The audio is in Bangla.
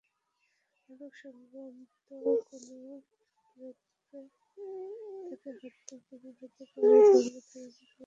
মাদকসংক্রান্ত কোনো বিরোধে তাঁকে হত্যা করা হতে পারে বলে ধারণা করছেন তিনি।